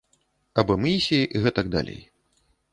Аб эмісіі і гэтак далей.